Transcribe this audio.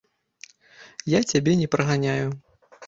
Я цябе не праганяю.